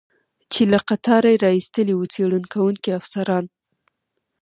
چې له قطاره یې را ایستلی و، څېړنې کوونکي افسران.